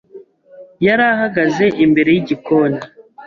yari ahagaze imbere y igikoni.